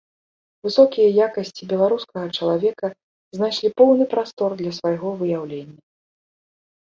Высокія якасці беларускага чалавека знайшлі поўны прастор для свайго выяўлення.